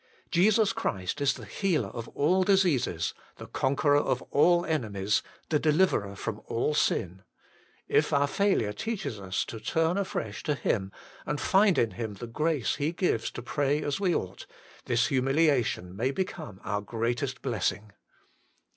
Jesus Christ is the Healer of all diseases, the Con queror of all enemies, the Deliverer from all sin ; if our failure teaches us to turn afresh to Him, and find in Him the grace He gives to pray as we ought, this humiliation may become our greatest blessing.